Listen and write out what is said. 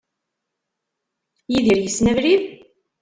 Yidir yessen abrid?